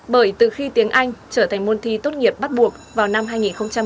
bởi từ khi tiếng anh trở thành môn thi tốt nghiệp bắt buộc vào năm hai nghìn năm mươi